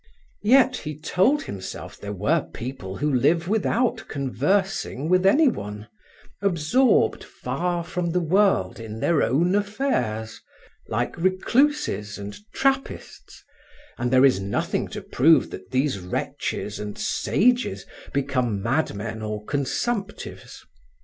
Yet he told himself there were people who live without conversing with anyone, absorbed far from the world in their own affairs, like recluses and trappists, and there is nothing to prove that these wretches and sages become madmen or consumptives.